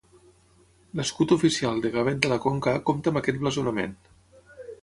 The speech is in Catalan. L'escut oficial de Gavet de la Conca compta amb aquest blasonament.